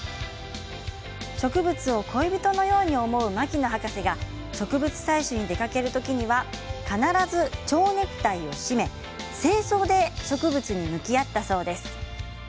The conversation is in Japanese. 植物を恋人のように思う牧野博士が植物採取に出かける時には必ず、ちょうネクタイを締め正装で植物に向き合ったそうです。